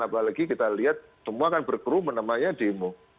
apalagi kita lihat semua kan berkru menamanya demo